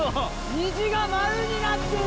虹が丸になってる！